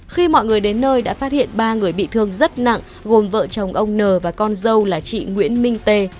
khi mọi người đến nơi đã phát hiện ba người bị thương rất nặng gồm vợ chồng ông n và con dâu là chị nguyễn minh tê